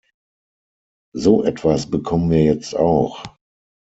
So etwas bekommen wir jetzt auch.